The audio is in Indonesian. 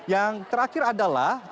yang terakhir adalah